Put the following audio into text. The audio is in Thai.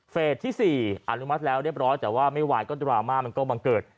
ที่๔อนุมัติแล้วเรียบร้อยแต่ว่าไม่ไหวก็ดราม่ามันก็บังเกิด